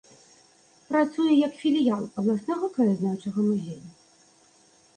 Працуе як філіял абласнога краязнаўчага музея.